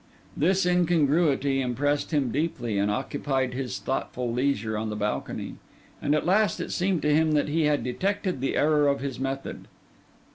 This incongruity impressed him deeply and occupied his thoughtful leisure on the balcony; and at last it seemed to him that he had detected the error of his method.